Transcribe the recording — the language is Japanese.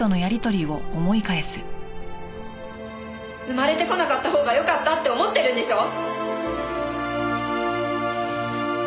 生まれてこなかったほうがよかったって思ってるんでしょ？